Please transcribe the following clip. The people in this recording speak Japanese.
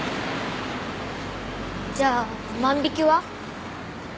じゃあ万引きは？